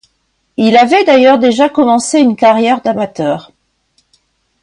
Il avait d'ailleurs déjà commencé une carrière amateur.